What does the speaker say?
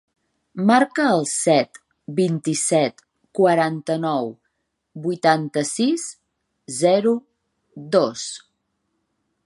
Marca el set, vint-i-set, quaranta-nou, vuitanta-sis, zero, dos.